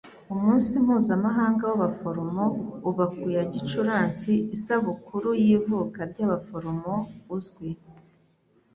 Umunsi mpuzamahanga w'abaforomo uba ku ya Gicurasi, Isabukuru y'ivuka ry'abaforomo uzwi?